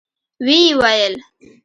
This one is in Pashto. ويې ويل: